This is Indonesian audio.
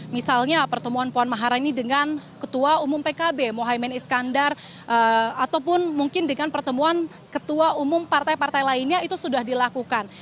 misalnya pertemuan puan maharani dengan ketua umum pkb mohaimin iskandar ataupun mungkin dengan pertemuan ketua umum partai partai lainnya itu sudah dilakukan